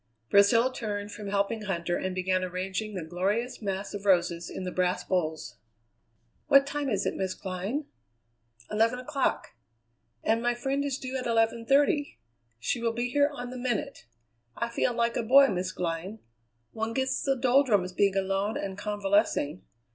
Priscilla turned from helping Huntter and began arranging the glorious mass of roses in the brass bowls. "What time is it, Miss Glynn?" "Eleven o'clock." "And my friend is due at eleven thirty. She will be here on the minute. I feel like a boy, Miss Glynn. One gets the doldrums being alone and convalescing.